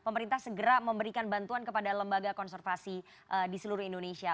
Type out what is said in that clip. pemerintah segera memberikan bantuan kepada lembaga konservasi di seluruh indonesia